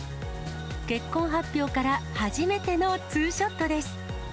結婚発表から初めての２ショットです。